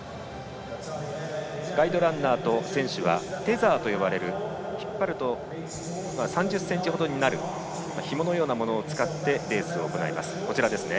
ガイドランナーと選手はテザーと呼ばれる引っ張ると３０ｃｍほどになるひものようなものを使ってレースを行います。